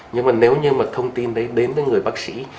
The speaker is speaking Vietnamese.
nhưng mà nếu như mà thông tin đấy đến với người bác sĩ